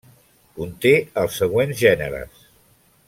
Conté els següents gèneres.